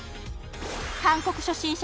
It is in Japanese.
韓国初心者